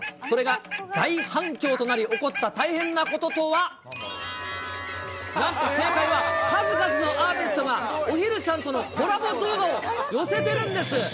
それが大反響となり、起こった大変なこととは、なんと正解は、数々のアーティストが、おひるちゃんとのコラボ動画を寄せてるんです。